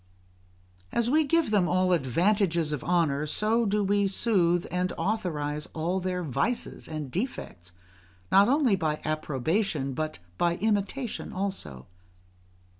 As we give them all advantages of honour, so do we soothe and authorise all their vices and defects, not only by approbation, but by imitation also.